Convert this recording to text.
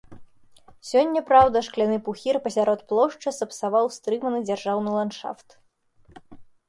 Сёння, праўда, шкляны пухір пасярод плошчы сапсаваў стрыманы дзяржаўны ландшафт.